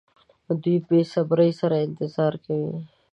دوی په بې صبرۍ سره انتظار کوي.